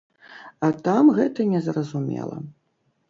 А там гэта не зразумела.